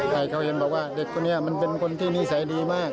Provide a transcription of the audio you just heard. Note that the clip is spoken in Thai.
ให้เขาเห็นบอกว่าเด็กคนนี้มันเป็นคนที่นิสัยดีมาก